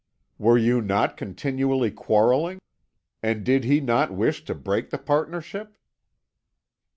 "Were you not continually quarrelling, and did he not wish to break the partnership?"